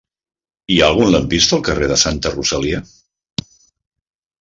Hi ha algun lampista al carrer de Santa Rosalia?